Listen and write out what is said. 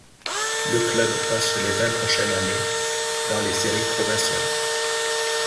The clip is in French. Le club passe les vingt prochaines années dans les séries provinciales.